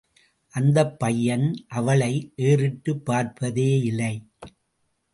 அந்தப் பையன் அவளை ஏறிட்டுப் பார்ப்பதேயிலை.